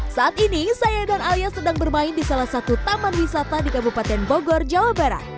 saat ini saya dan alia sedang bermain di salah satu taman wisata di kabupaten bogor jawa barat